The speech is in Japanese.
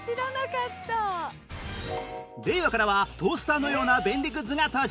令和からはトースターのような便利グッズが登場